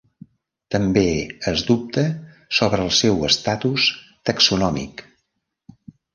També es dubta sobre el seu estatus taxonòmic.